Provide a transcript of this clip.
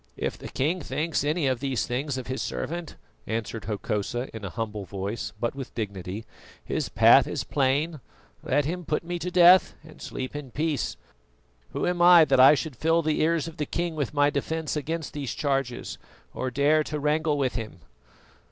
"If the King thinks any of these things of his servant," answered Hokosa in a humble voice, but with dignity, "his path is plain: let him put me to death and sleep in peace. Who am I that I should full the ears of a king with my defence against these charges, or dare to wrangle with him?"